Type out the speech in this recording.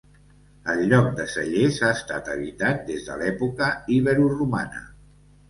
El lloc de Cellers ha estat habitat des de l'època iberoromana.